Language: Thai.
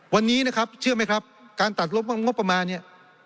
วันนี้นะครับเชื่อไหมครับการตัดลบงบประมาณเนี่ย